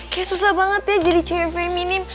kayak susah banget ya jadi cewek feminim